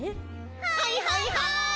はいはいはい！